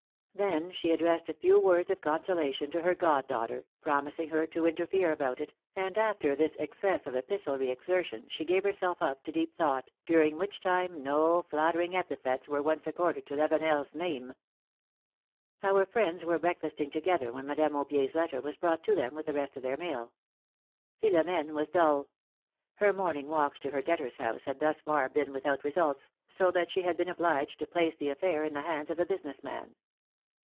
Then she addressed a few words of consolation to her goddaughter, promising her to interfere about it, and after this excess jof epistolary exertion she gave herself up to deep thought, during which time no flattering epithets ^vere once accorded to Lavenel 's name. 240 PHILOMtoE's MAKRIAGES. Our friends were breakfasting together when Madame *Aubier's letter was brought to them with the rest of their mail. Philom^ne was dull; her morning walks to her debtor's house had thus far been without results, so that she had been obliged to place the affair in the hands of a business man.